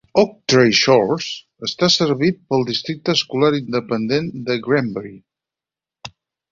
Oak Trail Shores està servit pel districte escolar independent de Granbury.